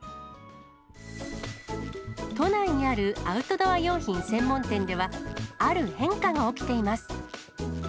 都内にあるアウトドア用品専門店では、ある変化が起きています。